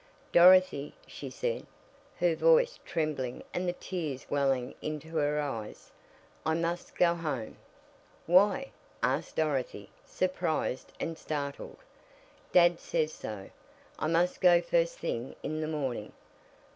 "Dorothy," she said, her voice trembling and the tears welling into her eyes, "I must go home!" "Why?" asked Dorothy, surprised and startled. "Dad says so. I must go first thing in the morning."